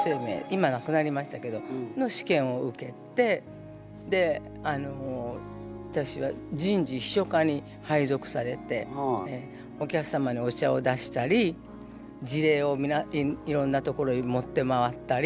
今なくなりましたけどの試験を受けてであの私は人事秘書課に配属されてお客様にお茶を出したり辞令をいろんな所へ持って回ったり。